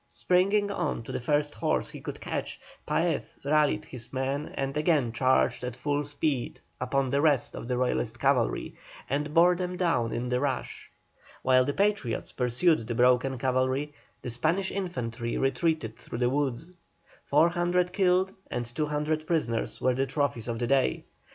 Springing on to the first horse he could catch, Paez rallied his men and again charged at full speed upon the rest of the Royalist cavalry, and bore them down in the rush. While the Patriots pursued the broken cavalry the Spanish infantry retreated through the woods. Four hundred killed and two hundred prisoners were the trophies of the day.